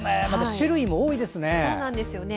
種類も多いですね。